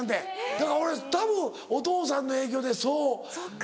だから俺たぶんお父さんの影響でそう。